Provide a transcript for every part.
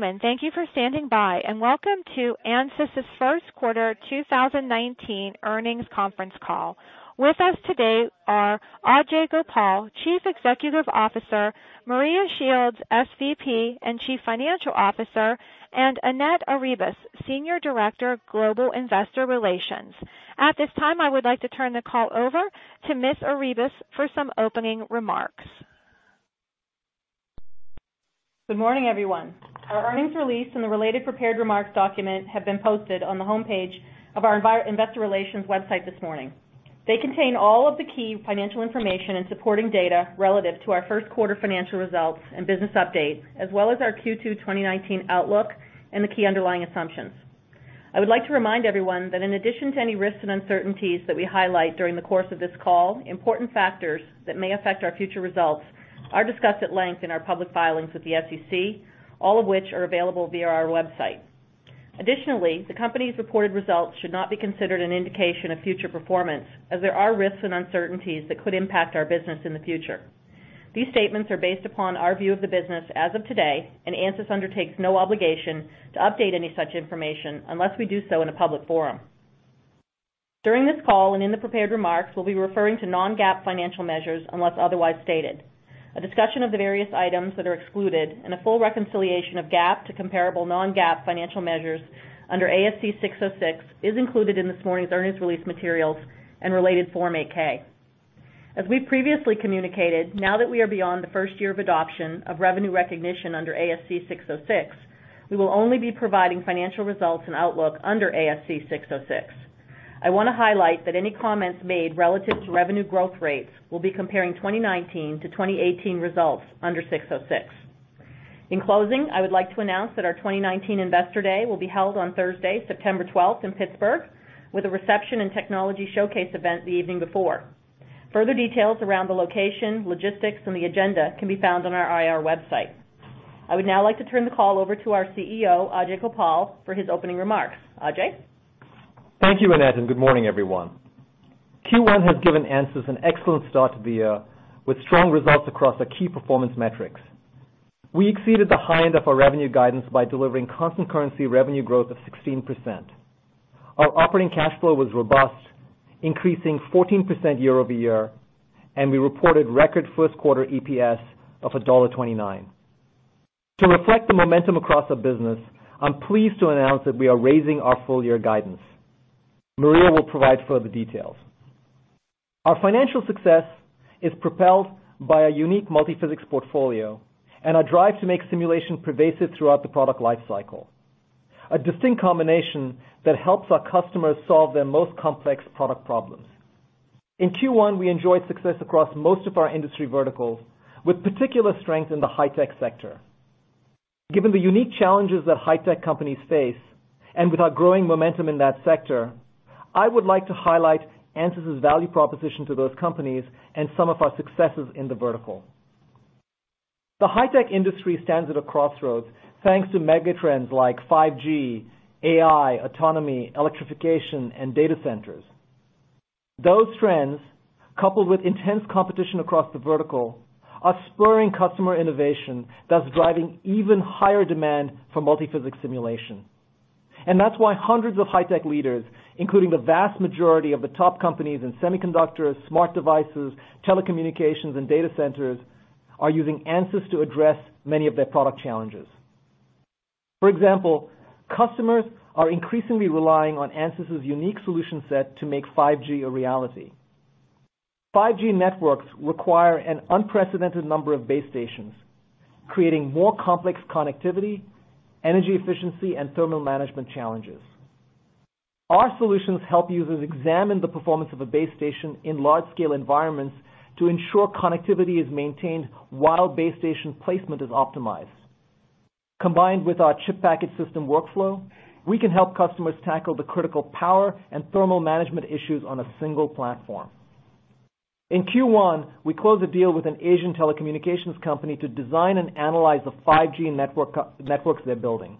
Thank you for standing by. Welcome to Ansys's first quarter 2019 earnings conference call. With us today are Ajei Gopal, Chief Executive Officer, Maria Shields, SVP and Chief Financial Officer, and Annette Arribas, Senior Director of Global Investor Relations. At this time, I would like to turn the call over to Ms. Arribas for some opening remarks. Good morning, everyone. Our earnings release and the related prepared remarks document have been posted on the homepage of our investor relations website this morning. They contain all of the key financial information and supporting data relative to our first quarter financial results and business update, as well as our Q2 2019 outlook and the key underlying assumptions. I would like to remind everyone that in addition to any risks and uncertainties that we highlight during the course of this call, important factors that may affect our future results are discussed at length in our public filings with the SEC, all of which are available via our website. The company's reported results should not be considered an indication of future performance, as there are risks and uncertainties that could impact our business in the future. These statements are based upon our view of the business as of today. Ansys undertakes no obligation to update any such information unless we do so in a public forum. During this call and in the prepared remarks, we'll be referring to non-GAAP financial measures, unless otherwise stated. A discussion of the various items that are excluded, and a full reconciliation of GAAP to comparable non-GAAP financial measures under ASC 606 is included in this morning's earnings release materials and related Form 8-K. As we previously communicated, now that we are beyond the first year of adoption of revenue recognition under ASC 606, we will only be providing financial results and outlook under ASC 606. I want to highlight that any comments made relative to revenue growth rates will be comparing 2019 to 2018 results under ASC 606. In closing, I would like to announce that our 2019 Investor Day will be held on Thursday, September 12th in Pittsburgh, with a reception and technology showcase event the evening before. Further details around the location, logistics, and the agenda can be found on our IR website. I would now like to turn the call over to our CEO, Ajei Gopal, for his opening remarks. Ajei? Thank you, Annette, and good morning, everyone. Q1 has given Ansys an excellent start to the year with strong results across the key performance metrics. We exceeded the high end of our revenue guidance by delivering constant currency revenue growth of 16%. Our operating cash flow was robust, increasing 14% year-over-year, and we reported record first quarter EPS of $1.29. To reflect the momentum across our business, I'm pleased to announce that we are raising our full year guidance. Maria will provide further details. Our financial success is propelled by a unique multiphysics portfolio and our drive to make simulation pervasive throughout the product life cycle, a distinct combination that helps our customers solve their most complex product problems. In Q1, we enjoyed success across most of our industry verticals, with particular strength in the high-tech sector. Given the unique challenges that high-tech companies face, with our growing momentum in that sector, I would like to highlight Ansys's value proposition to those companies and some of our successes in the vertical. The high-tech industry stands at a crossroads, thanks to mega trends like 5G, AI, autonomy, electrification, and data centers. Those trends, coupled with intense competition across the vertical, are spurring customer innovation that's driving even higher demand for multiphysics simulation. That's why hundreds of high-tech leaders, including the vast majority of the top companies in semiconductors, smart devices, telecommunications, and data centers, are using Ansys to address many of their product challenges. For example, customers are increasingly relying on Ansys's unique solution set to make 5G a reality. 5G networks require an unprecedented number of base stations, creating more complex connectivity, energy efficiency, and thermal management challenges. Our solutions help users examine the performance of a base station in large-scale environments to ensure connectivity is maintained while base station placement is optimized. Combined with our chip package system workflow, we can help customers tackle the critical power and thermal management issues on a single platform. In Q1, we closed a deal with an Asian telecommunications company to design and analyze the 5G networks they're building.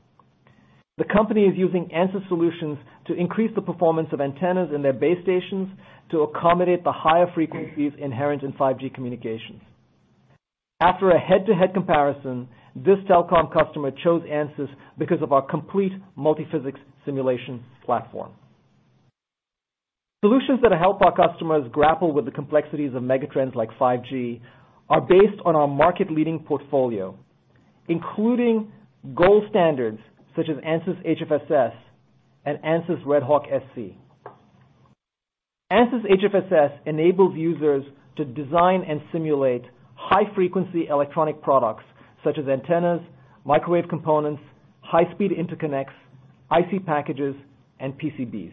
The company is using Ansys solutions to increase the performance of antennas in their base stations to accommodate the higher frequencies inherent in 5G communications. After a head-to-head comparison, this telecom customer chose Ansys because of our complete multi-physics simulation platform. Solutions that help our customers grapple with the complexities of mega trends like 5G are based on our market-leading portfolio, including gold standards such as Ansys HFSS and Ansys RedHawk-SC. Ansys HFSS enables users to design and simulate high-frequency electronic products such as antennas, microwave components, high-speed interconnects, IC packages, and PCBs.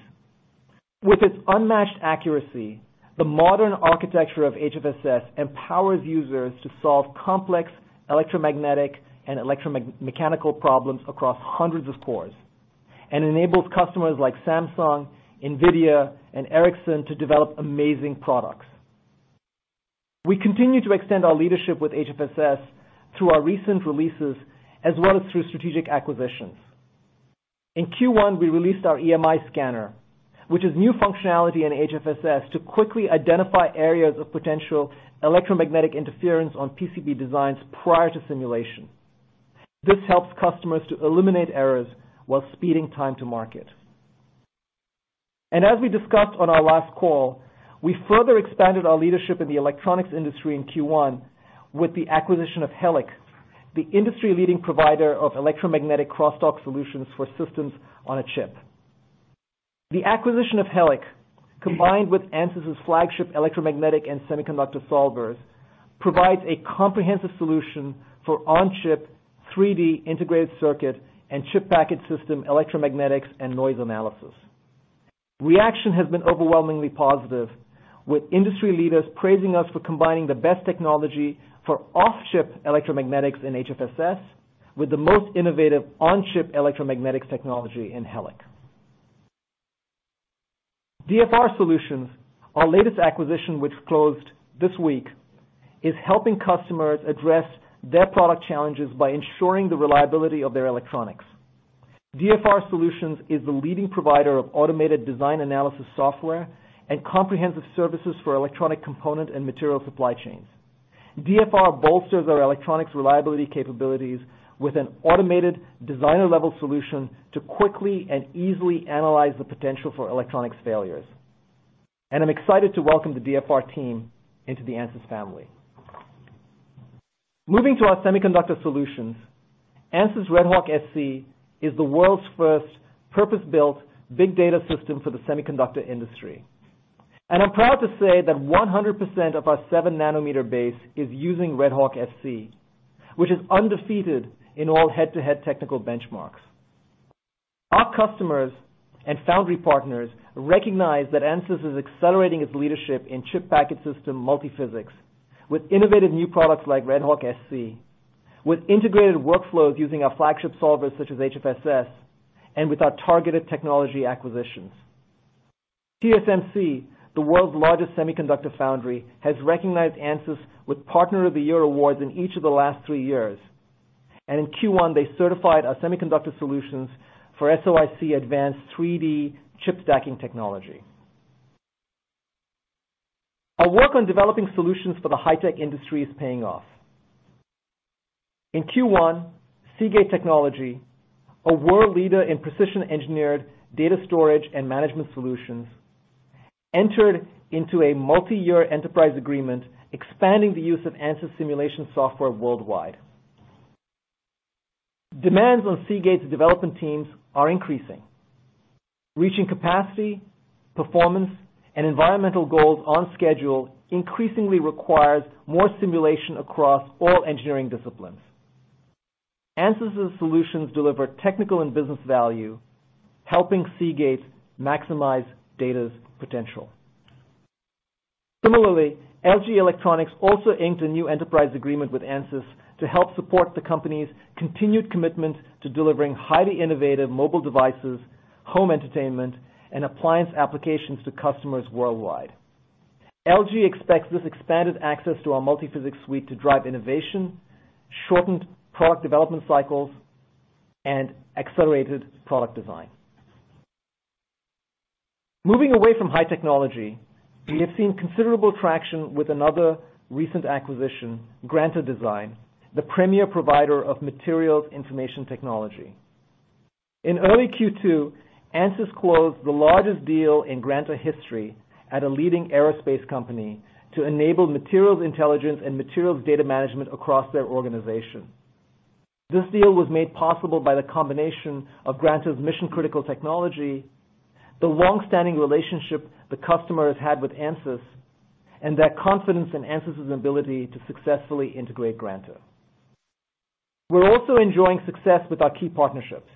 With its unmatched accuracy, the modern architecture of HFSS empowers users to solve complex electromagnetic and electromechanical problems across hundreds of cores and enables customers like Samsung, Nvidia, and Ericsson to develop amazing products. We continue to extend our leadership with HFSS through our recent releases as well as through strategic acquisitions. In Q1, we released our Ansys EMI Scanner, which is new functionality in HFSS to quickly identify areas of potential electromagnetic interference on PCB designs prior to simulation. This helps customers to eliminate errors while speeding time to market. As we discussed on our last call, we further expanded our leadership in the electronics industry in Q1 with the acquisition of Helic, the industry-leading provider of electromagnetic crosstalk solutions for systems on a chip. The acquisition of Helic, combined with Ansys' flagship electromagnetic and semiconductor solvers, provides a comprehensive solution for on-chip 3D integrated circuit and chip package system electromagnetics and noise analysis. Reaction has been overwhelmingly positive, with industry leaders praising us for combining the best technology for off-chip electromagnetics in HFSS with the most innovative on-chip electromagnetics technology in Helic. DfR Solutions, our latest acquisition, which closed this week, is helping customers address their product challenges by ensuring the reliability of their electronics. DfR Solutions is the leading provider of automated design analysis software and comprehensive services for electronic component and material supply chains. DfR bolsters our electronics reliability capabilities with an automated designer-level solution to quickly and easily analyze the potential for electronics failures. I'm excited to welcome the DfR team into the Ansys family. Moving to our semiconductor solutions, Ansys RedHawk-SC is the world's first purpose-built big data system for the semiconductor industry. I'm proud to say that 100% of our 7 nm base is using RedHawk-SC, which is undefeated in all head-to-head technical benchmarks. Our customers and foundry partners recognize that Ansys is accelerating its leadership in chip package system multi-physics with innovative new products like RedHawk-SC, with integrated workflows using our flagship solvers such as HFSS, and with our targeted technology acquisitions. TSMC, the world's largest semiconductor foundry, has recognized Ansys with Partner of the Year awards in each of the last three years. In Q1, they certified our semiconductor solutions for SoIC advanced 3D chip stacking technology. Our work on developing solutions for the high-tech industry is paying off. In Q1, Seagate Technology, a world leader in precision-engineered data storage and management solutions, entered into a multi-year enterprise agreement, expanding the use of Ansys simulation software worldwide. Demands on Seagate's development teams are increasing. Reaching capacity, performance, and environmental goals on schedule increasingly requires more simulation across all engineering disciplines. Ansys's solutions deliver technical and business value, helping Seagate maximize data's potential. Similarly, LG Electronics also inked a new enterprise agreement with Ansys to help support the company's continued commitment to delivering highly innovative mobile devices, home entertainment, and appliance applications to customers worldwide. LG expects this expanded access to our multi-physics suite to drive innovation, shortened product development cycles, and accelerated product design. Moving away from high technology, we have seen considerable traction with another recent acquisition, Granta Design, the premier provider of materials information technology. In early Q2, Ansys closed the largest deal in Granta history at a leading aerospace company to enable materials intelligence and materials data management across their organization. This deal was made possible by the combination of Granta's mission-critical technology, the long-standing relationship the customer has had with Ansys, and their confidence in Ansys' ability to successfully integrate Granta. We're also enjoying success with our key partnerships.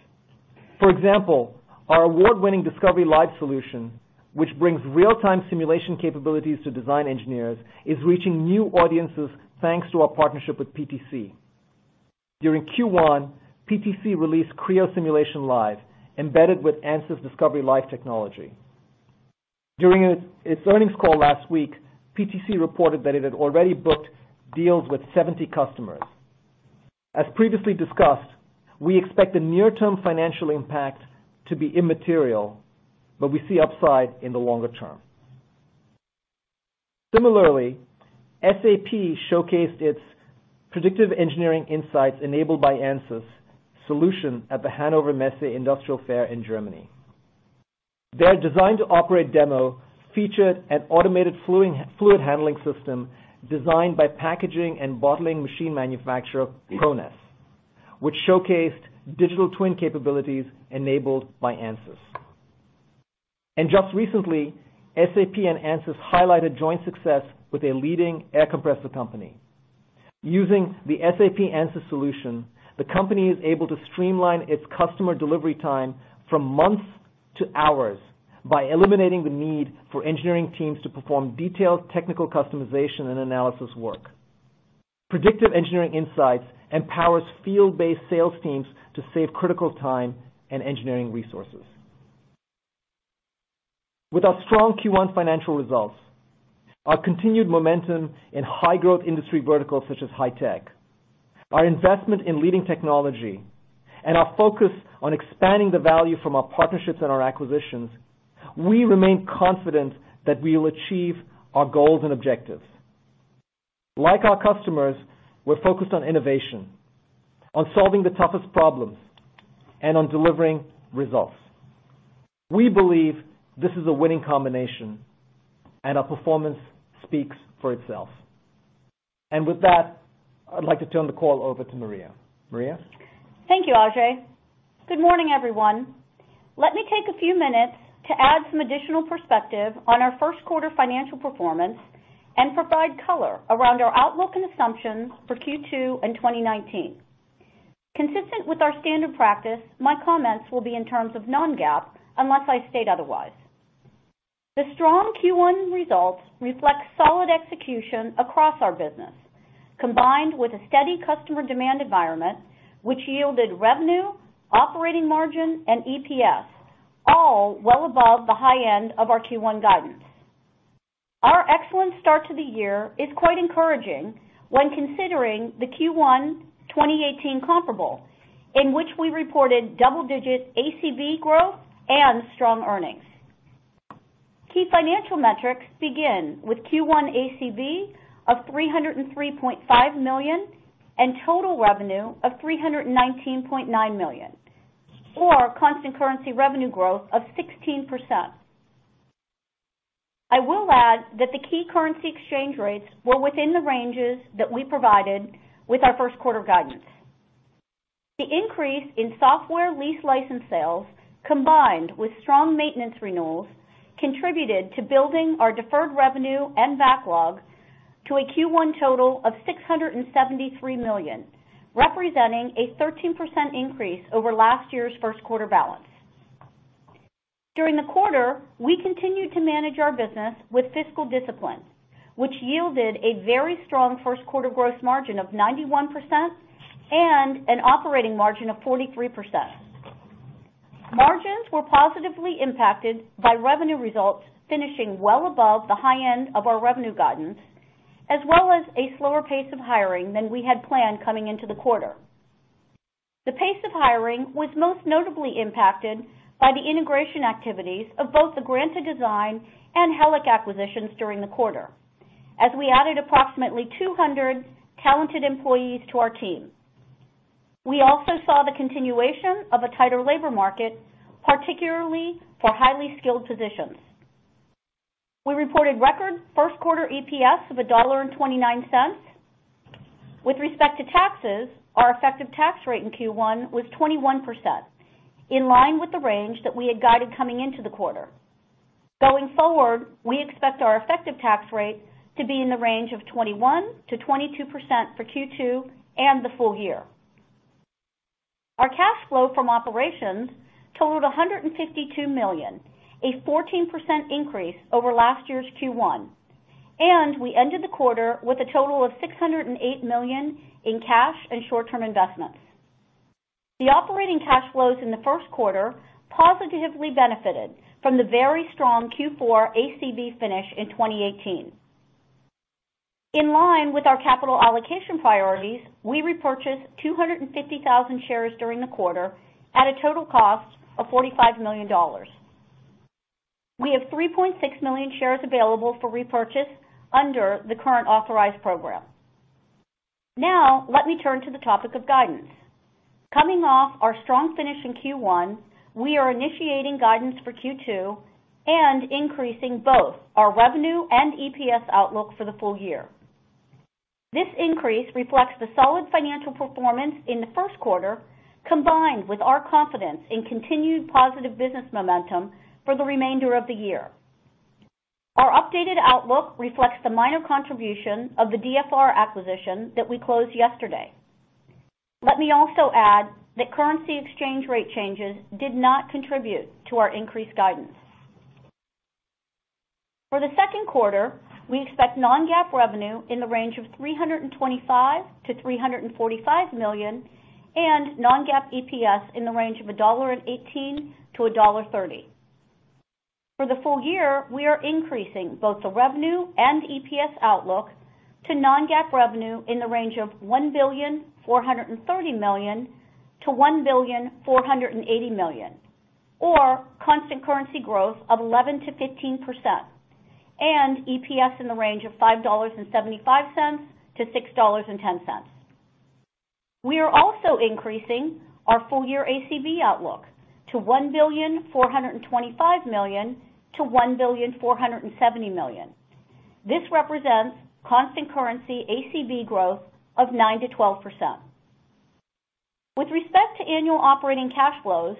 For example, our award-winning Discovery Live solution, which brings real-time simulation capabilities to design engineers, is reaching new audiences, thanks to our partnership with PTC. During Q1, PTC released Creo Simulation Live embedded with Ansys Discovery Live technology. During its earnings call last week, PTC reported that it had already booked deals with 70 customers. As previously discussed, we expect the near-term financial impact to be immaterial, we see upside in the longer term. SAP showcased its Predictive Engineering Insights enabled by Ansys solution at the Hannover Messe Industrial Fair in Germany. Their design-to-operate demo featured an automated fluid handling system designed by packaging and bottling machine manufacturer Krones, which showcased digital twin capabilities enabled by Ansys. Just recently, SAP and Ansys highlighted joint success with a leading air compressor company. Using the SAP-Ansys solution, the company is able to streamline its customer delivery time from months to hours by eliminating the need for engineering teams to perform detailed technical customization and analysis work. Predictive Engineering Insights empowers field-based sales teams to save critical time and engineering resources. With our strong Q1 financial results, our continued momentum in high growth industry verticals such as high tech, our investment in leading technology, and our focus on expanding the value from our partnerships and our acquisitions, we remain confident that we will achieve our goals and objectives. Like our customers, we're focused on innovation, on solving the toughest problems, and on delivering results. We believe this is a winning combination, and our performance speaks for itself. With that, I'd like to turn the call over to Maria. Maria? Thank you, Ajei. Good morning, everyone. Let me take a few minutes to add some additional perspective on our first quarter financial performance and provide color around our outlook and assumptions for Q2 and 2019. Consistent with our standard practice, my comments will be in terms of non-GAAP, unless I state otherwise. The strong Q1 results reflect solid execution across our business, combined with a steady customer demand environment, which yielded revenue, operating margin and EPS, all well above the high end of the Q1 guidance. Our excellent start to the year is quite encouraging when considering the Q1 2018 comparable, in which we reported double-digit ACV growth and strong earnings. Key financial metrics begin with Q1 ACV of $303.5 million and total revenue of $319.9 million, or constant currency revenue growth of 16%. I will add that the key currency exchange rates were within the ranges that we provided with our first quarter guidance. The increase in software lease license sales, combined with strong maintenance renewals, contributed to building our deferred revenue and backlog to a Q1 total of $673 million, representing a 13% increase over last year's first quarter balance. During the quarter, we continued to manage our business with fiscal discipline, which yielded a very strong first quarter gross margin of 91% and an operating margin of 43%. Margins were positively impacted by revenue results finishing well above the high end of our revenue guidance, as well as a slower pace of hiring than we had planned coming into the quarter. The pace of hiring was most notably impacted by the integration activities of both the Granta Design and Helic acquisitions during the quarter, as we added approximately 200 talented employees to our team. We also saw the continuation of a tighter labor market, particularly for highly skilled positions. We reported record first quarter EPS of $1.29. With respect to taxes, our effective tax rate in Q1 was 21%, in line with the range that we had guided coming into the quarter. Going forward, we expect our effective tax rate to be in the range of 21%-22% for Q2 and the full year. Our cash flow from operations totaled $152 million, a 14% increase over last year's Q1, and we ended the quarter with a total of $608 million in cash and short-term investments. The operating cash flows in the first quarter positively benefited from the very strong Q4 ACV finish in 2018. In line with our capital allocation priorities, we repurchased 250,000 shares during the quarter at a total cost of $45 million. We have 3.6 million shares available for repurchase under the current authorized program. Let me turn to the topic of guidance. Coming off our strong finish in Q1, we are initiating guidance for Q2 and increasing both our revenue and EPS outlook for the full year. This increase reflects the solid financial performance in the first quarter, combined with our confidence in continued positive business momentum for the remainder of the year. Our updated outlook reflects the minor contribution of the DfR acquisition that we closed yesterday. Let me also add that currency exchange rate changes did not contribute to our increased guidance. For the second quarter, we expect non-GAAP revenue in the range of $325 million-$345 million and non-GAAP EPS in the range of $1.18-$1.30. For the full year, we are increasing both the revenue and EPS outlook to non-GAAP revenue in the range of $1,430 million-$1,480 million, or constant currency growth of 11%-15%, and EPS in the range of $5.75-$6.10. We are also increasing our full year ACV outlook to $1,425 million-$1,470 million. This represents constant currency ACV growth of 9%-12%. With respect to annual operating cash flows,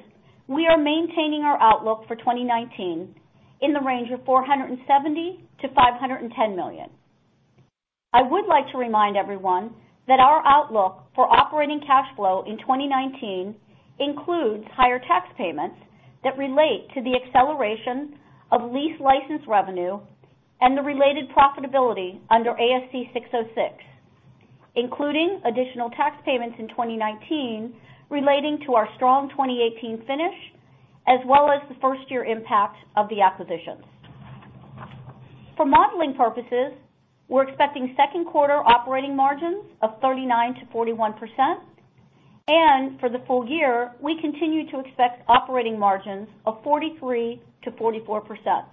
we are maintaining our outlook for 2019 in the range of $470 million-$510 million. I would like to remind everyone that our outlook for operating cash flow in 2019 includes higher tax payments that relate to the acceleration of lease license revenue and the related profitability under ASC 606. Including additional tax payments in 2019 relating to our strong 2018 finish, as well as the first-year impact of the acquisitions. For modeling purposes, we're expecting second quarter operating margins of 39%-41%, and for the full year, we continue to expect operating margins of 43%-44%.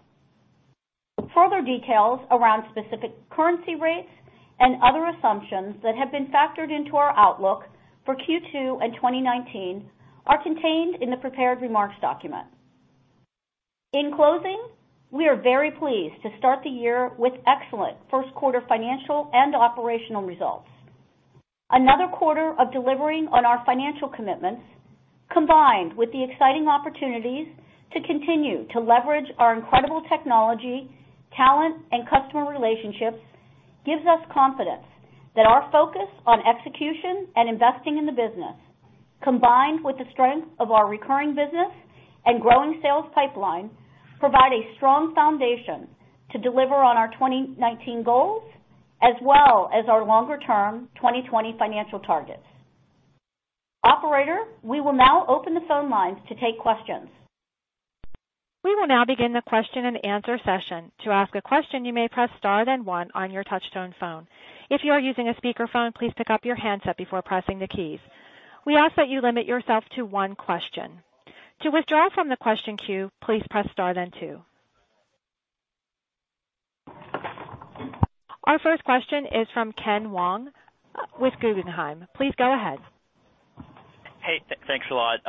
Further details around specific currency rates and other assumptions that have been factored into our outlook for Q2 and 2019 are contained in the prepared remarks document. In closing, we are very pleased to start the year with excellent first quarter financial and operational results. Another quarter of delivering on our financial commitments, combined with the exciting opportunities to continue to leverage our incredible technology, talent, and customer relationships, gives us confidence that our focus on execution and investing in the business, combined with the strength of our recurring business and growing sales pipeline, provide a strong foundation to deliver on our 2019 goals, as well as our longer-term 2020 financial targets. Operator, we will now open the phone lines to take questions. We will now begin the question and answer session. To ask a question, you may press star then one on your touchtone phone. If you are using a speakerphone, please pick up your handset before pressing the keys. We ask that you limit yourself to one question. To withdraw from the question queue, please press star then two. Our first question is from Kenneth Wong with Guggenheim. Please go ahead. Hey, thanks a lot.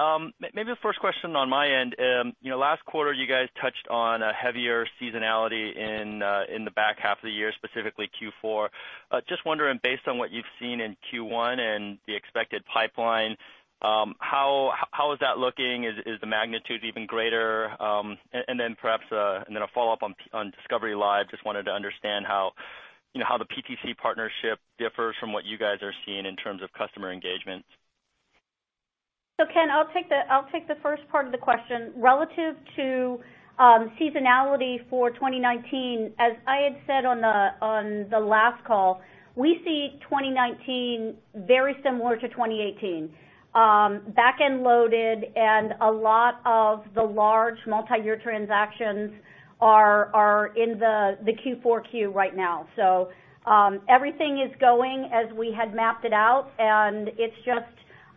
Maybe the first question on my end. Last quarter, you guys touched on a heavier seasonality in the back half of the year, specifically Q4. Just wondering, based on what you've seen in Q1 and the expected pipeline, how is that looking? Is the magnitude even greater? Then perhaps a follow-up on Discovery Live. Just wanted to understand how the PTC partnership differs from what you guys are seeing in terms of customer engagement. Ken, I'll take the first part of the question. Relative to seasonality for 2019, as I had said on the last call, we see 2019 very similar to 2018. Back-end loaded and a lot of the large multi-year transactions are in the Q4 queue right now. Everything is going as we had mapped it out, and it's just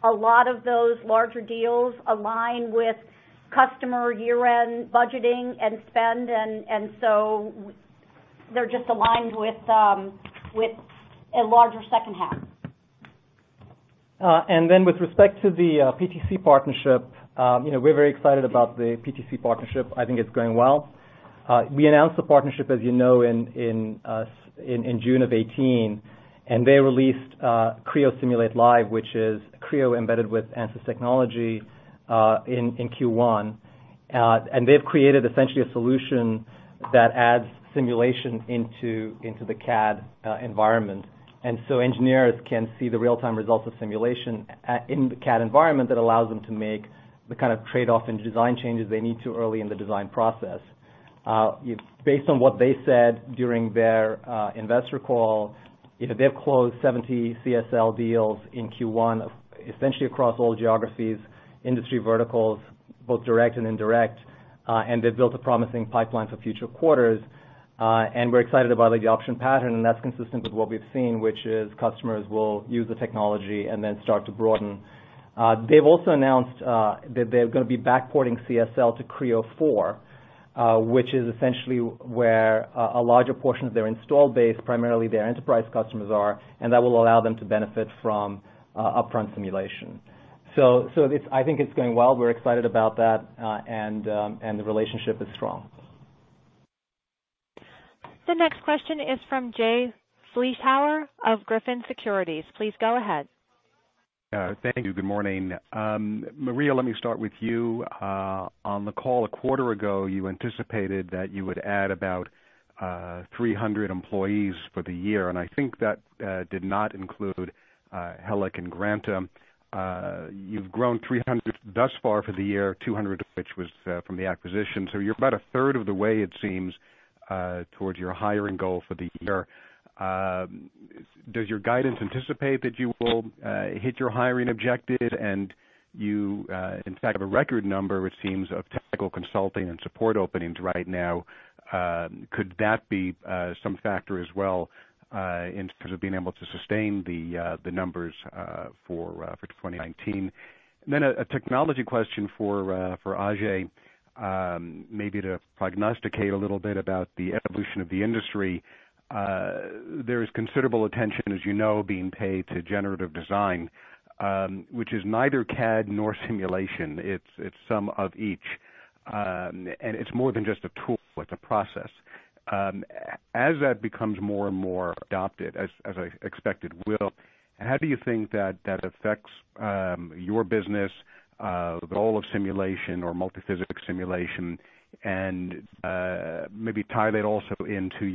a lot of those larger deals align with customer year-end budgeting and spend, and so they're just aligned with a larger second half. With respect to the PTC partnership, we're very excited about the PTC partnership. I think it's going well. We announced the partnership, as you know, in June of 2018, and they released Creo Simulation Live, which is Creo embedded with Ansys technology, in Q1. They've created essentially a solution that adds simulation into the CAD environment. Engineers can see the real-time results of simulation in the CAD environment that allows them to make the kind of trade-off and design changes they need to early in the design process. Based on what they said during their investor call, they've closed 70 CSL deals in Q1, essentially across all geographies, industry verticals, both direct and indirect, and they've built a promising pipeline for future quarters. We're excited about the adoption pattern, and that's consistent with what we've seen, which is customers will use the technology and then start to broaden. They've also announced that they're going to be back-porting CSL to Creo 4.0, which is essentially where a larger portion of their install base, primarily their enterprise customers are, and that will allow them to benefit from upfront simulation. I think it's going well. We're excited about that, and the relationship is strong. The next question is from Jay Vleeschhouwer of Griffin Securities. Please go ahead. Thank you. Good morning. Maria, let me start with you. On the call a quarter ago, you anticipated that you would add about 300 employees for the year, and I think that did not include Helic and Granta. You've grown 300 thus far for the year, 200 of which was from the acquisition. You're about a third of the way it seems towards your hiring goal for the year. Does your guidance anticipate that you will hit your hiring objective? You, in fact, have a record number, it seems, of technical consulting and support openings right now. Could that be some factor as well in terms of being able to sustain the numbers for 2019? A technology question for Ajei, maybe to prognosticate a little bit about the evolution of the industry. There is considerable attention, as you know, being paid to generative design, which is neither CAD nor simulation. It's some of each. It's more than just a tool. It's a process. As that becomes more and more adopted, as I expect it will, how do you think that affects your business, the role of simulation or multi-physics simulation, and maybe tie that also into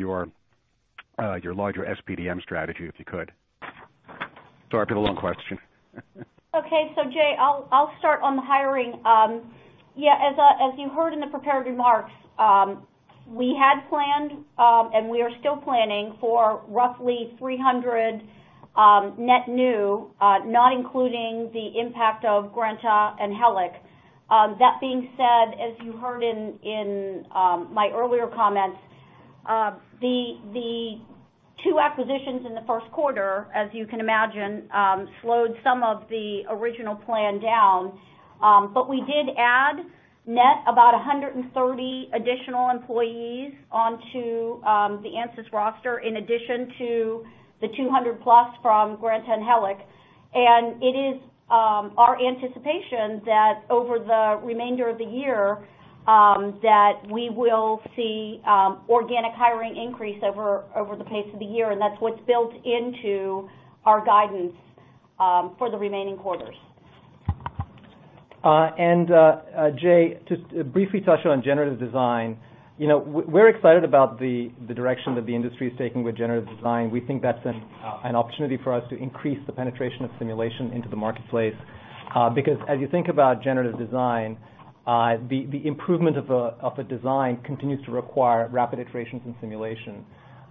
your larger SPDM strategy, if you could? Sorry for the long question. Okay. Jay, I'll start on the hiring. Yeah, as you heard in the prepared remarks, we had planned, and we are still planning for roughly 300 net new, not including the impact of Granta and Helic. That being said, as you heard in my earlier comments, the two acquisitions in the first quarter, as you can imagine, slowed some of the original plan down. We did add net about 130 additional employees onto the Ansys roster, in addition to the 200 plus from Granta and Helic. It is our anticipation that over the remainder of the year, that we will see organic hiring increase over the pace of the year. That's what's built into our guidance for the remaining quarters. Jay, just to briefly touch on generative design. We're excited about the direction that the industry is taking with generative design. We think that's an opportunity for us to increase the penetration of simulation into the marketplace. As you think about generative design, the improvement of a design continues to require rapid iterations and simulation.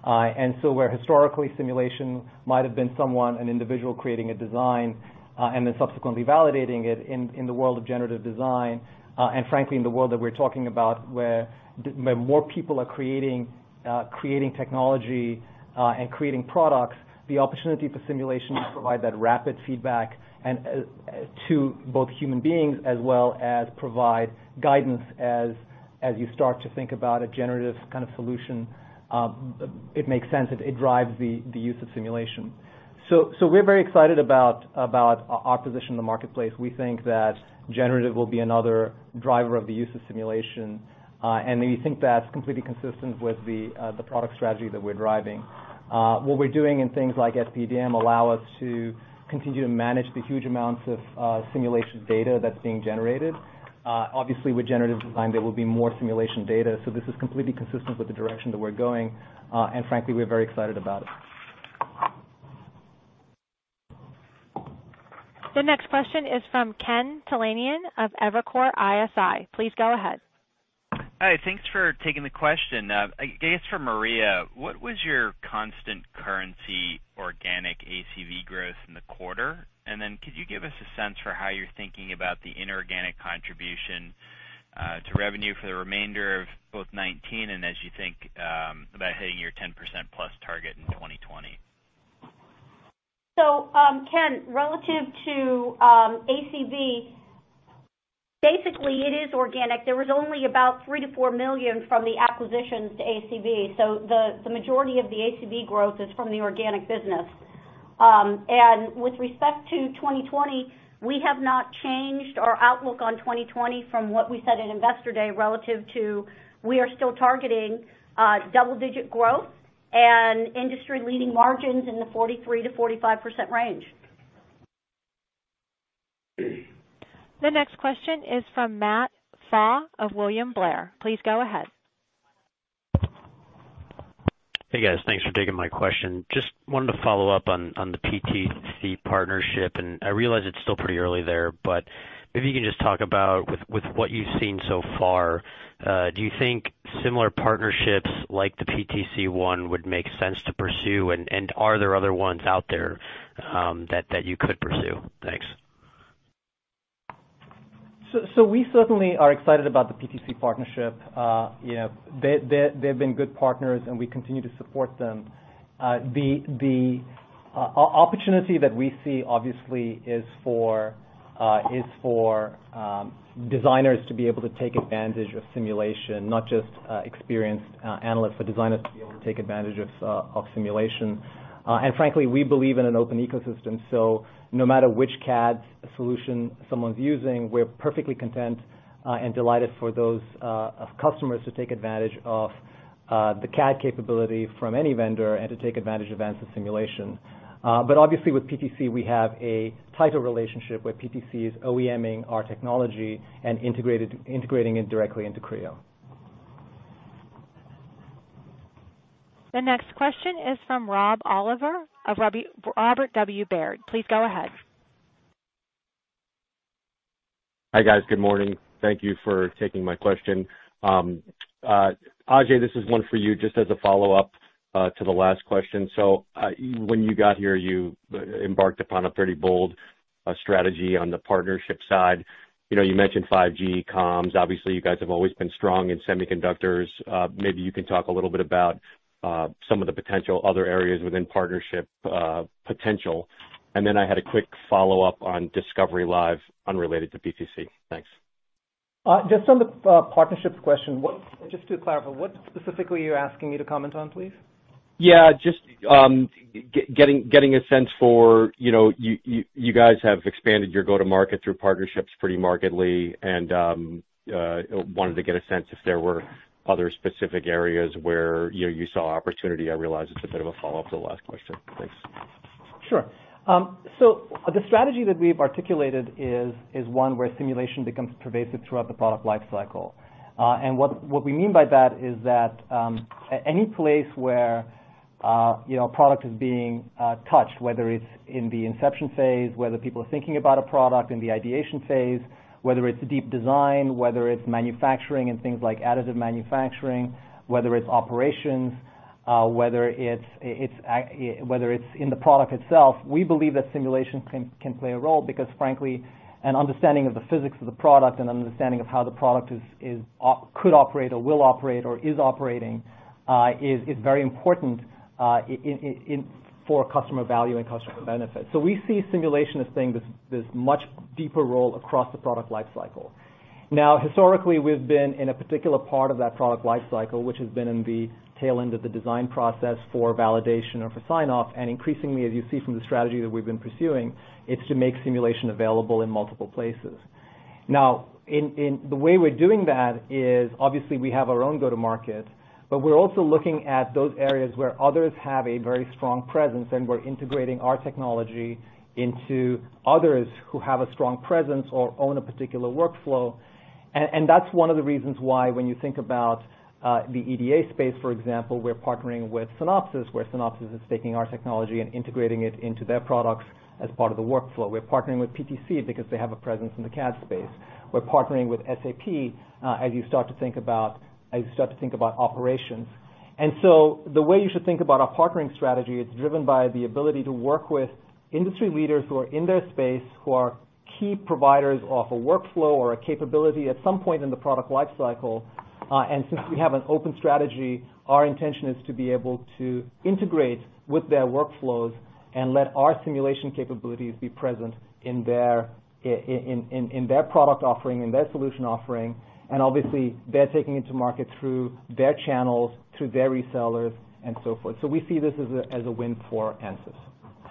Where historically simulation might have been someone, an individual, creating a design, and then subsequently validating it in the world of generative design, and frankly, in the world that we're talking about, where more people are creating technology, and creating products, the opportunity for simulation to provide that rapid feedback to both human beings as well as provide guidance as you start to think about a generative kind of solution, it makes sense. It drives the use of simulation. We're very excited about our position in the marketplace. We think that generative will be another driver of the use of simulation. We think that is completely consistent with the product strategy that we are driving. What we are doing in things like SPDM allow us to continue to manage the huge amounts of simulation data that is being generated. Obviously, with generative design, there will be more simulation data. This is completely consistent with the direction that we are going. Frankly, we are very excited about it. The next question is from Ken Talanian of Evercore ISI. Please go ahead. Hi. Thanks for taking the question. I guess for Maria, what was your constant currency organic ACV growth in the quarter? Could you give us a sense for how you are thinking about the inorganic contribution to revenue for the remainder of both 2019, and as you think about hitting your 10% plus target in 2020? Ken, relative to ACV, basically it is organic. There was only about $3 million-$4 million from the acquisitions to ACV, so the majority of the ACV growth is from the organic business. With respect to 2020, we have not changed our outlook on 2020 from what we said at Investor Day relative to we are still targeting double-digit growth and industry-leading margins in the 43%-45% range. The next question is from Matthew Pfau of William Blair. Please go ahead. Hey, guys. Thanks for taking my question. Just wanted to follow up on the PTC partnership. I realize it's still pretty early there, but maybe you can just talk about with what you've seen so far, do you think similar partnerships like the PTC one would make sense to pursue? Are there other ones out there that you could pursue? Thanks. We certainly are excited about the PTC partnership. They've been good partners, and we continue to support them. The opportunity that we see, obviously, is for designers to be able to take advantage of simulation, not just experienced analysts, but designers to be able to take advantage of simulation. Frankly, we believe in an open ecosystem, so no matter which CAD solution someone's using, we're perfectly content and delighted for those customers to take advantage of the CAD capability from any vendor and to take advantage of Ansys simulation. Obviously with PTC, we have a tighter relationship with PTC's OEMing our technology and integrating it directly into Creo. The next question is from Rob Oliver of Robert W. Baird. Please go ahead. Hi, guys. Good morning. Thank you for taking my question. Ajei, this is one for you, just as a follow-up to the last question. When you got here, you embarked upon a pretty bold strategy on the partnership side. You mentioned 5G comms. Obviously, you guys have always been strong in semiconductors. Maybe you can talk a little bit about some of the potential other areas within partnership potential. Then I had a quick follow-up on Discovery Live, unrelated to PTC. Thanks. Just on the partnerships question, just to clarify, what specifically are you asking me to comment on, please? Just getting a sense for, you guys have expanded your go-to-market through partnerships pretty markedly, I wanted to get a sense if there were other specific areas where you saw opportunity. I realize it's a bit of a follow-up to the last question. Thanks. Sure. The strategy that we've articulated is one where simulation becomes pervasive throughout the product lifecycle. What we mean by that is that any place where a product is being touched, whether it's in the inception phase, whether people are thinking about a product in the ideation phase, whether it's deep design, whether it's manufacturing and things like additive manufacturing, whether it's operations, whether it's in the product itself. We believe that simulation can play a role because frankly, an understanding of the physics of the product, an understanding of how the product could operate or will operate or is operating, is very important for customer value and customer benefit. We see simulation as playing this much deeper role across the product lifecycle. Historically, we've been in a particular part of that product lifecycle, which has been in the tail end of the design process for validation or for sign-off. Increasingly, as you see from the strategy that we've been pursuing, it's to make simulation available in multiple places. The way we're doing that is obviously we have our own go-to-market, but we're also looking at those areas where others have a very strong presence, and we're integrating our technology into others who have a strong presence or own a particular workflow. That's one of the reasons why when you think about the EDA space, for example, we're partnering with Synopsys, where Synopsys is taking our technology and integrating it into their products as part of the workflow. We're partnering with PTC because they have a presence in the CAD space. We're partnering with SAP, as you start to think about operations. The way you should think about our partnering strategy, it's driven by the ability to work with industry leaders who are in their space, who are key providers of a workflow or a capability at some point in the product lifecycle. Since we have an open strategy, our intention is to be able to integrate with their workflows and let our simulation capabilities be present in their product offering, in their solution offering. Obviously, they're taking it to market through their channels, through their resellers, and so forth. We see this as a win for ANSYS.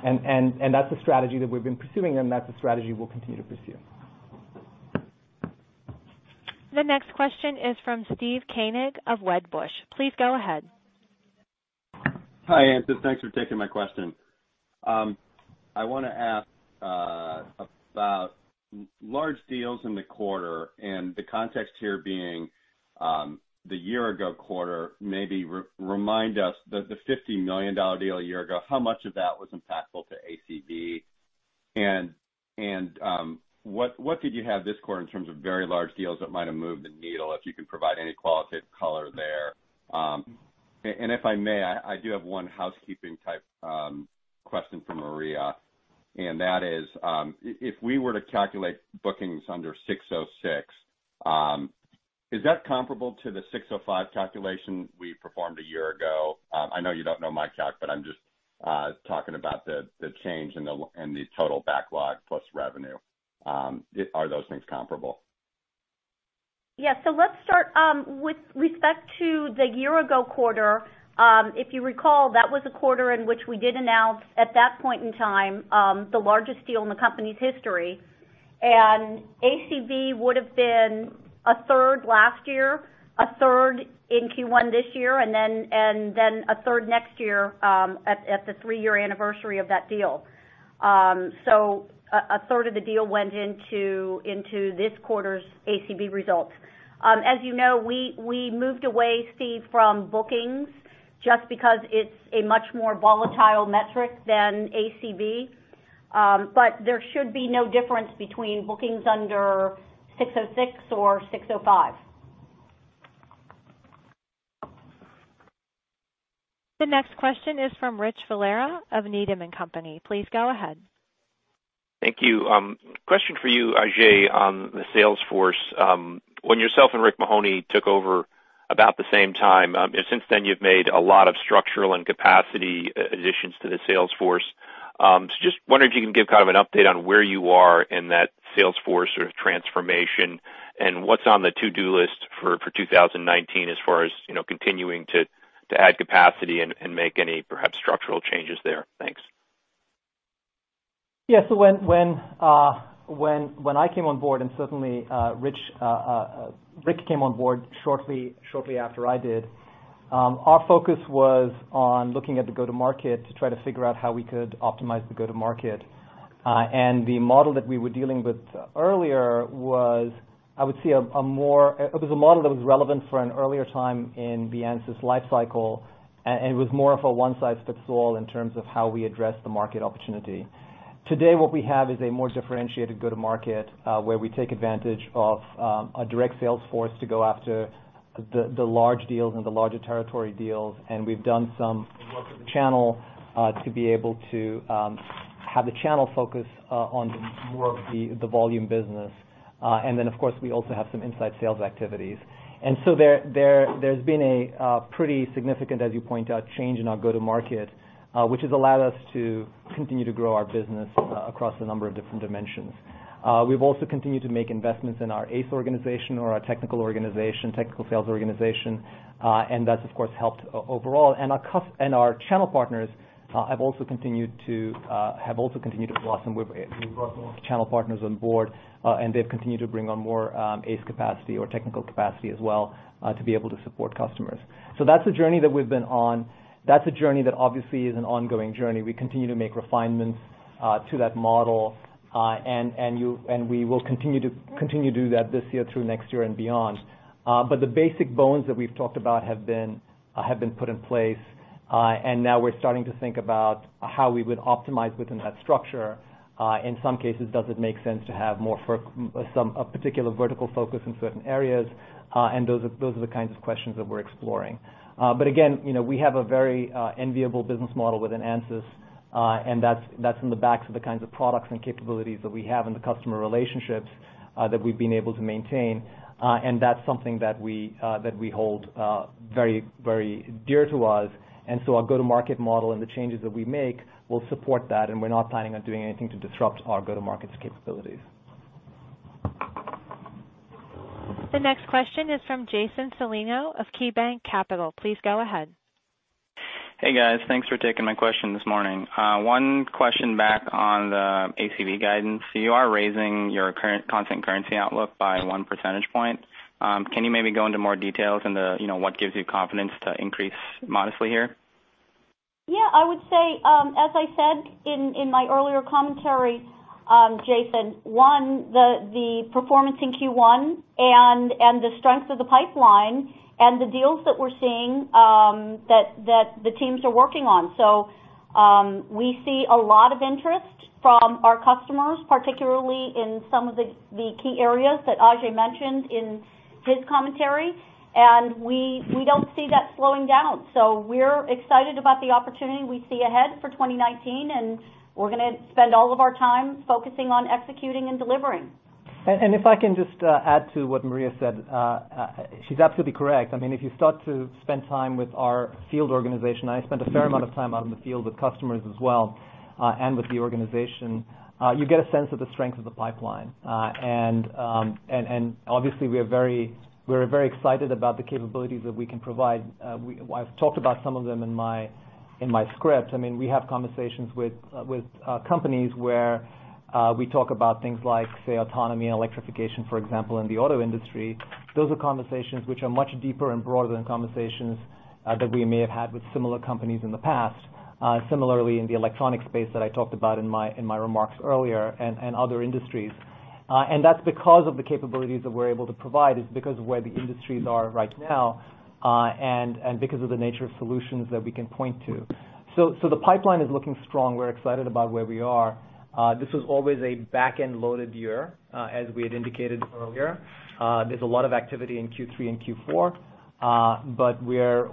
That's a strategy that we've been pursuing, and that's a strategy we'll continue to pursue. The next question is from Steve Koenig of Wedbush. Please go ahead. Hi, ANSYS. Thanks for taking my question. I want to ask about large deals in the quarter and the context here being the year-ago quarter. Maybe remind us the $50 million deal a year ago, how much of that was impactful to ACV? What did you have this quarter in terms of very large deals that might have moved the needle, if you can provide any qualitative color there? If I may, I do have one housekeeping-type question for Maria, and that is, if we were to calculate bookings under 606, is that comparable to the 605 calculation we performed a year ago? I know you don't know my calc, but I'm just talking about the change in the total backlog plus revenue. Are those things comparable? Yes. Let's start with respect to the year-ago quarter. If you recall, that was a quarter in which we did announce, at that point in time, the largest deal in the company's history. ACV would've been a third last year, a third in Q1 this year, and a third next year, at the three-year anniversary of that deal. A third of the deal went into this quarter's ACV results. As you know, we moved away, Steve, from bookings just because it's a much more volatile metric than ACV. There should be no difference between bookings under ASC 606 or ASC 605. The next question is from Richard Valera of Needham & Company. Please go ahead. Thank you. Question for you, Ajei, on the sales force. When yourself and Rick Mahoney took over about the same time, since then you've made a lot of structural and capacity additions to the sales force. Just wondering if you can give an update on where you are in that sales force or transformation, and what's on the to-do list for 2019 as far as continuing to add capacity and make any perhaps structural changes there. Thanks. Yeah. When I came on board, and certainly Rick came on board shortly after I did, our focus was on looking at the go-to-market to try to figure out how we could optimize the go-to-market. The model that we were dealing with earlier was a model that was relevant for an earlier time in the Ansys lifecycle, and it was more of a one-size-fits-all in terms of how we address the market opportunity. Today, what we have is a more differentiated go-to-market, where we take advantage of a direct sales force to go after the large deals and the larger territory deals. We've done some work with the channel, to be able to have the channel focus on more of the volume business. Of course, we also have some inside sales activities. There's been a pretty significant, as you point out, change in our go-to-market, which has allowed us to continue to grow our business across a number of different dimensions. We've also continued to make investments in our ACE organization or our technical organization, technical sales organization. That's, of course, helped overall. Our channel partners have also continued to blossom. We've brought more channel partners on board, and they've continued to bring on more ACE capacity or technical capacity as well to be able to support customers. That's the journey that we've been on. That's a journey that obviously is an ongoing journey. We continue to make refinements to that model. We will continue to do that this year through next year and beyond. The basic bones that we've talked about have been put in place. Now we're starting to think about how we would optimize within that structure. In some cases, does it make sense to have a particular vertical focus in certain areas? Those are the kinds of questions that we're exploring. Again, we have a very enviable business model within Ansys, that's on the backs of the kinds of products and capabilities that we have and the customer relationships that we've been able to maintain. That's something that we hold very dear to us. Our go-to-market model and the changes that we make will support that, we're not planning on doing anything to disrupt our go-to-market capabilities. The next question is from Jason Celino of KeyBanc Capital. Please go ahead. Hey, guys. Thanks for taking my question this morning. One question back on the ACV guidance. You are raising your current constant currency outlook by one percentage point. Can you maybe go into more details on the what gives you confidence to increase modestly here? I would say, as I said in my earlier commentary, Jason, one, the performance in Q1 and the strength of the pipeline and the deals that we're seeing that the teams are working on. We see a lot of interest from our customers, particularly in some of the key areas that Ajei mentioned in his commentary, and we don't see that slowing down. We're excited about the opportunity we see ahead for 2019, and we're going to spend all of our time focusing on executing and delivering. If I can just add to what Maria said, she's absolutely correct. If you start to spend time with our field organization, I spent a fair amount of time out in the field with customers as well, and with the organization, you get a sense of the strength of the pipeline. Obviously, we're very excited about the capabilities that we can provide. I've talked about some of them in my script. We have conversations with companies where we talk about things like, say, autonomy and electrification, for example, in the auto industry. Those are conversations which are much deeper and broader than conversations that we may have had with similar companies in the past. Similarly, in the electronic space that I talked about in my remarks earlier and other industries. That's because of the capabilities that we're able to provide, is because of where the industries are right now, and because of the nature of solutions that we can point to. The pipeline is looking strong. We're excited about where we are. This was always a back-end loaded year, as we had indicated earlier. There's a lot of activity in Q3 and Q4, but we're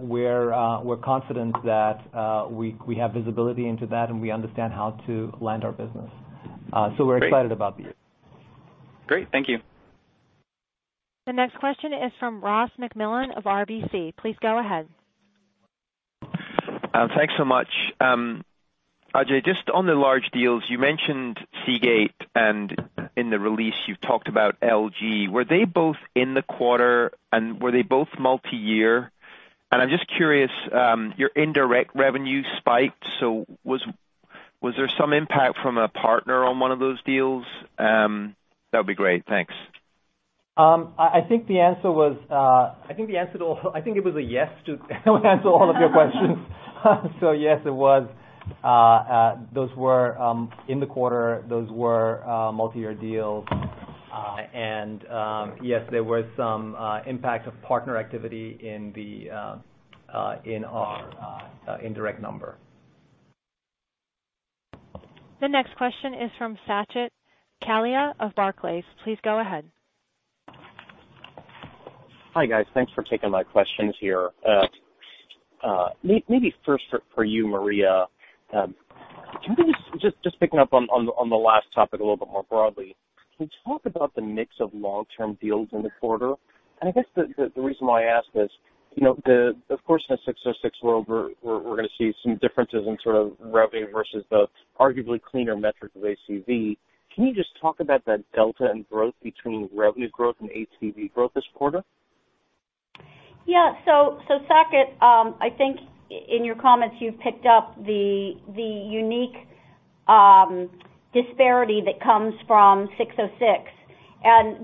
confident that we have visibility into that, and we understand how to land our business. Great. We're excited about the year. Great. Thank you. The next question is from Ross MacMillan of RBC. Please go ahead. Thanks so much. Ajei, just on the large deals, you mentioned Seagate, in the release you've talked about LG. Were they both in the quarter, and were they both multi-year? I'm just curious, your indirect revenue spiked, so was there some impact from a partner on one of those deals? That'd be great. Thanks. I think it was a yes to answer all of your questions. Yes, it was. Those were in the quarter, those were multi-year deals. Yes, there was some impact of partner activity in our indirect number. The next question is from Saket Kalia of Barclays. Please go ahead. Hi, guys. Thanks for taking my questions here. Maybe first for you, Maria, can we just picking up on the last topic a little bit more broadly, can you talk about the mix of long-term deals in the quarter? I guess the reason why I ask is, of course, in a 606 world, we're going to see some differences in sort of revenue versus the arguably cleaner metric of ACV. Can you just talk about that delta in growth between revenue growth and ACV growth this quarter? Yeah. Saket, I think in your comments, you've picked up the unique disparity that comes from 606.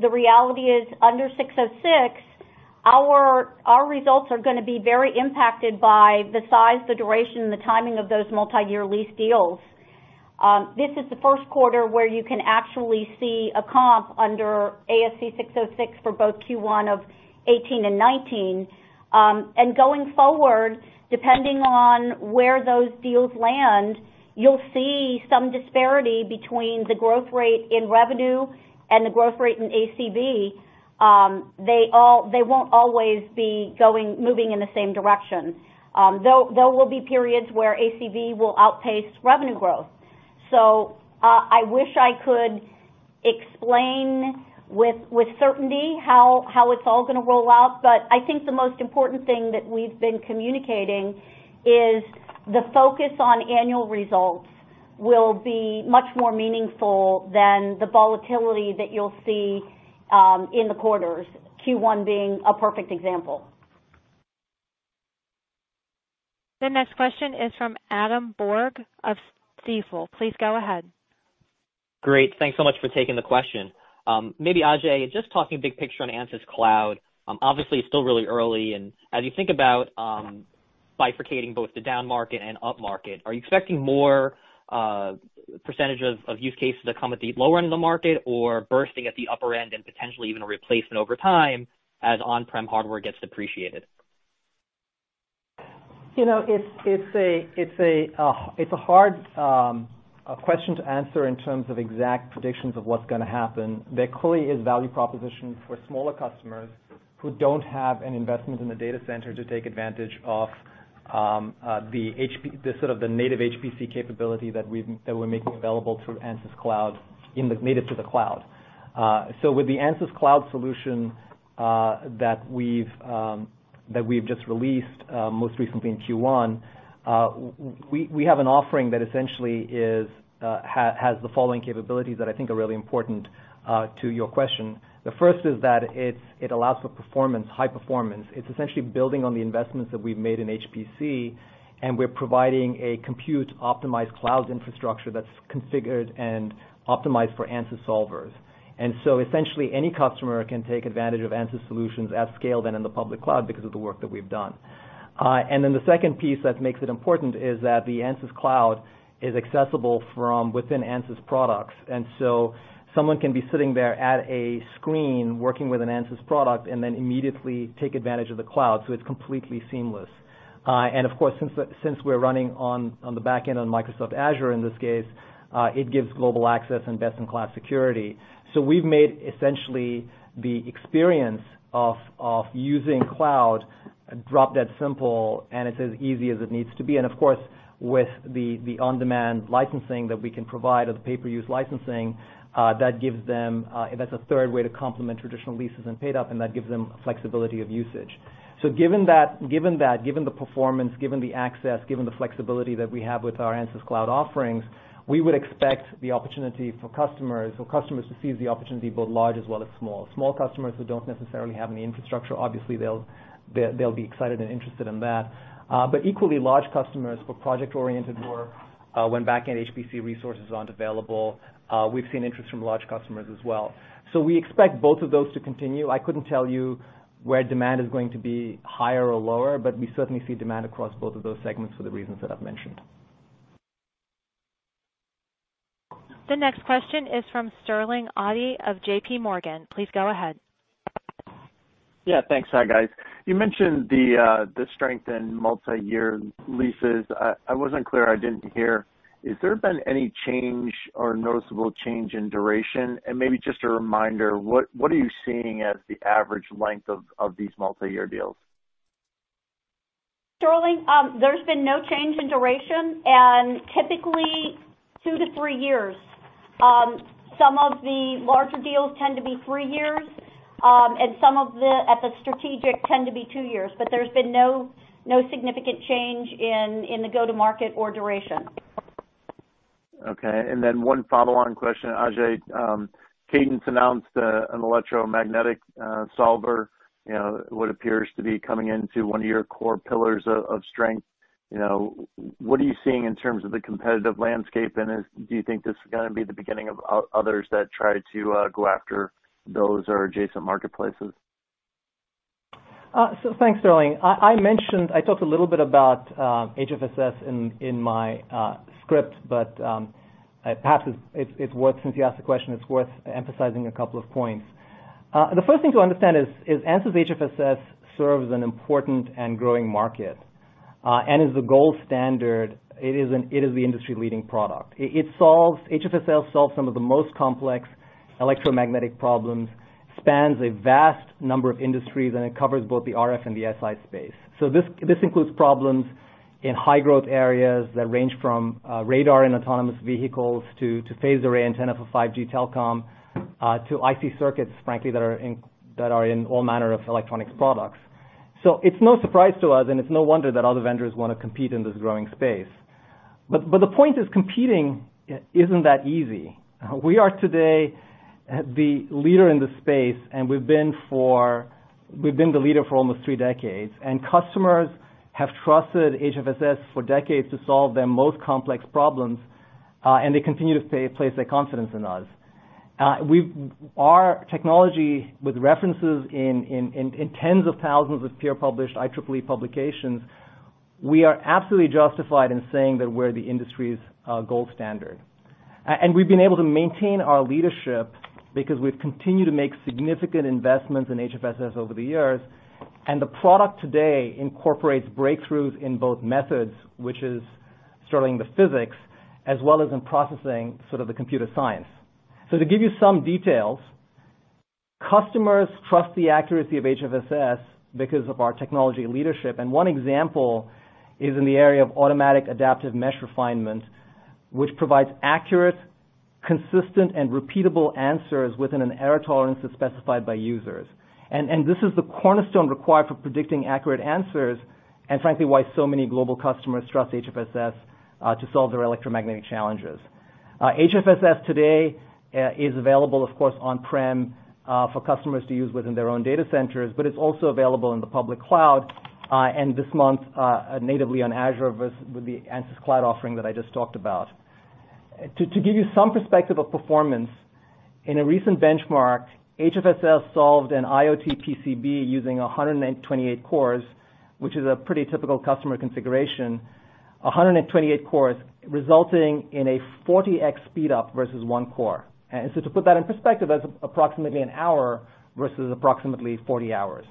The reality is under 606, our results are going to be very impacted by the size, the duration, and the timing of those multi-year lease deals. This is the first quarter where you can actually see a comp under ASC 606 for both Q1 of 2018 and 2019. Going forward, depending on where those deals land, you'll see some disparity between the growth rate in revenue and the growth rate in ACV. They won't always be moving in the same direction. There will be periods where ACV will outpace revenue growth. I wish I could explain with certainty how it's all going to roll out. I think the most important thing that we've been communicating is the focus on annual results will be much more meaningful than the volatility that you'll see in the quarters, Q1 being a perfect example. The next question is from Adam Borg of Stifel. Please go ahead. Great. Thanks so much for taking the question. Maybe, Ajei, just talking big picture on Ansys Cloud, obviously it's still really early. As you think about bifurcating both the downmarket and upmarket, are you expecting more percentage of use cases that come at the lower end of the market or bursting at the upper end and potentially even a replacement over time as on-prem hardware gets depreciated? It's a hard question to answer in terms of exact predictions of what's going to happen. There clearly is value proposition for smaller customers who don't have an investment in the data center to take advantage of the native HPC capability that we're making available through Ansys Cloud, native to the cloud. With the Ansys Cloud solution that we've just released, most recently in Q1, we have an offering that essentially has the following capabilities that I think are really important to your question. The first is that it allows for high performance. It's essentially building on the investments that we've made in HPC. We're providing a compute-optimized cloud infrastructure that's configured and optimized for Ansys solvers. Essentially any customer can take advantage of Ansys solutions at scale than in the public cloud because of the work that we've done. The second piece that makes it important is that the Ansys Cloud is accessible from within Ansys products. Someone can be sitting there at a screen working with an Ansys product then immediately take advantage of the cloud. It's completely seamless. Of course, since we're running on the back end on Microsoft Azure in this case, it gives global access and best-in-class security. We've made essentially the experience of using cloud drop-dead simple, and it's as easy as it needs to be. Of course, with the on-demand licensing that we can provide or the pay-per-use licensing, that's a third way to complement traditional leases and paid-up, and that gives them flexibility of usage. Given that, given the performance, given the access, given the flexibility that we have with our Ansys Cloud offerings, we would expect the opportunity for customers to seize the opportunity, both large as well as small. Small customers who don't necessarily have any infrastructure, obviously they'll be excited and interested in that. Equally large customers for project-oriented work when backend HPC resources aren't available, we've seen interest from large customers as well. We expect both of those to continue. I couldn't tell you where demand is going to be higher or lower, but we certainly see demand across both of those segments for the reasons that I've mentioned. The next question is from Sterling Auty of JPMorgan. Please go ahead. Yeah, thanks. Hi, guys. You mentioned the strength in multi-year leases. I wasn't clear, I didn't hear. Has there been any change or noticeable change in duration? Maybe just a reminder, what are you seeing as the average length of these multi-year deals? Sterling, there's been no change in duration, typically 2-3 years. Some of the larger deals tend to be three years, some at the strategic tend to be two years, there's been no significant change in the go-to-market or duration. Okay, and then one follow-on question, Ajei. Cadence announced an electromagnetic solver, what appears to be coming into one of your core pillars of strength. What are you seeing in terms of the competitive landscape? Do you think this is going to be the beginning of others that try to go after those or adjacent marketplaces? Thanks, Sterling. I talked a little bit about HFSS in my script, but perhaps since you asked the question, it's worth emphasizing a couple of points. The first thing to understand is HFSS serves an important and growing market, and is the gold standard. It is the industry-leading product. HFSS solves some of the most complex electromagnetic problems, spans a vast number of industries, and it covers both the RF and the SI space. This includes problems in high-growth areas that range from radar in autonomous vehicles to phased-array antenna for 5G telecom to IC circuits, frankly, that are in all manner of electronics products. It's no surprise to us, and it's no wonder that other vendors want to compete in this growing space. The point is, competing isn't that easy. We are today the leader in this space, and we've been the leader for almost three decades. Customers have trusted HFSS for decades to solve their most complex problems, and they continue to place their confidence in us. Our technology, with references in tens of thousands of peer-published IEEE publications, we are absolutely justified in saying that we're the industry's gold standard. We've been able to maintain our leadership because we've continued to make significant investments in HFSS over the years, and the product today incorporates breakthroughs in both methods, which is, Sterling, the physics, as well as in processing the computer science. To give you some details, customers trust the accuracy of HFSS because of our technology leadership, and one example is in the area of automatic adaptive mesh refinement, which provides accurate, consistent, and repeatable answers within an error tolerance as specified by users. This is the cornerstone required for predicting accurate answers, and frankly, why so many global customers trust HFSS to solve their electromagnetic challenges. HFSS today is available of course on-prem for customers to use within their own data centers, but it's also available in the public cloud, and this month, natively on Azure with the Ansys Cloud offering that I just talked about. To give you some perspective of performance, in a recent benchmark, HFSS solved an IoT PCB using 128 cores, which is a pretty typical customer configuration, 128 cores resulting in a 40x speed up versus one core. To put that in perspective, that's approximately an hour versus approximately 40 hours.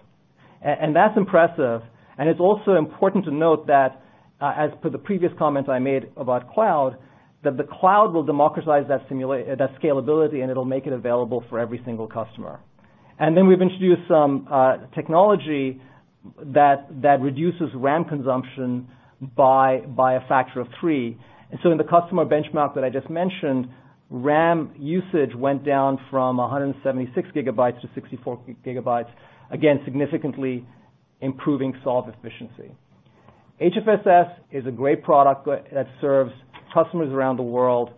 That's impressive, and it's also important to note that, as per the previous comments I made about cloud, that the cloud will democratize that scalability, and it'll make it available for every single customer. We've introduced some technology that reduces RAM consumption by a factor of three. In the customer benchmark that I just mentioned, RAM usage went down from 176 gigabytes to 64 gigabytes, again, significantly improving solve efficiency. HFSS is a great product that serves customers around the world,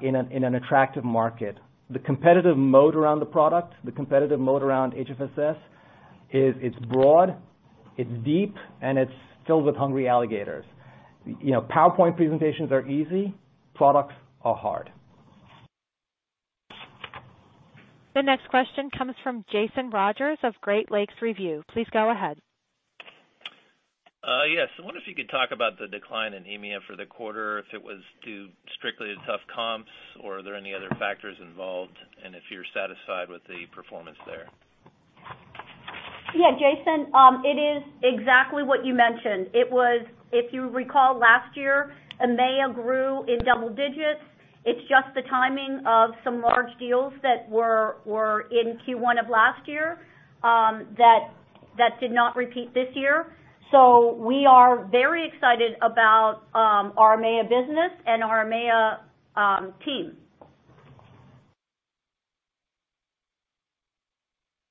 in an attractive market. The competitive mode around the product, the competitive mode around HFSS is it's broad, it's deep, and it's filled with hungry alligators. PowerPoint presentations are easy. Products are hard. The next question comes from Jason Rogers of Great Lakes Review. Please go ahead. Yes. I wonder if you could talk about the decline in EMEA for the quarter, if it was due strictly to tough comps, or are there any other factors involved? If you're satisfied with the performance there. Yeah, Jason. It is exactly what you mentioned. If you recall last year, EMEA grew in double digits. It's just the timing of some large deals that were in Q1 of last year, that did not repeat this year. We are very excited about our EMEA business and our EMEA team.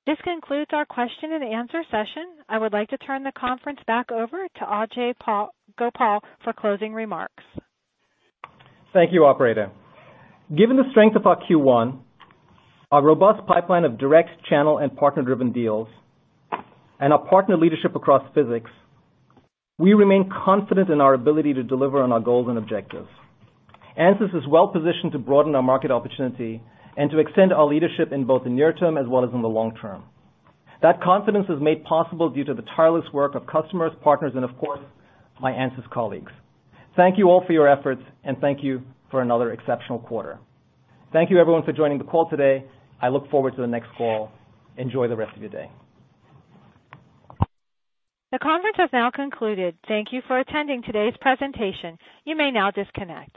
This concludes our question and answer session. I would like to turn the conference back over to Ajei Gopal for closing remarks. Thank you, operator. Given the strength of our Q1, our robust pipeline of direct channel and partner-driven deals, and our partner leadership across physics, we remain confident in our ability to deliver on our goals and objectives. Ansys is well-positioned to broaden our market opportunity and to extend our leadership in both the near term as well as in the long term. That confidence is made possible due to the tireless work of customers, partners, and of course, my Ansys colleagues. Thank you all for your efforts, and thank you for another exceptional quarter. Thank you everyone for joining the call today. I look forward to the next call. Enjoy the rest of your day. The conference has now concluded. Thank you for attending today's presentation. You may now disconnect.